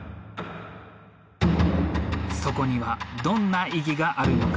そこにはどんな意義があるのか。